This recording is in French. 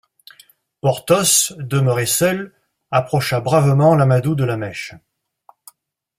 Porthos, demeuré seul, approcha bravement l'amadou de la mèche.